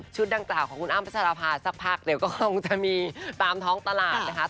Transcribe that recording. ชุดตั้งแต่ของคุณอ้ำประชาภาษณ์สักพักเดี๋ยวก็คงจะมีตามท้องตลาดนะคะ